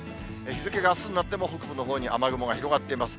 日付があすになっても、北部のほうに雨雲が広がっています。